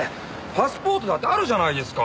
パスポートだってあるじゃないですか。